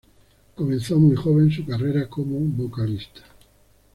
Comenzó muy joven su carrera como vocalista.